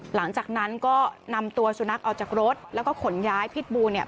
หลังจากนั้นก็นำตัวสุนัขออกจากรถแล้วก็ขนย้ายพิษบูเนี่ย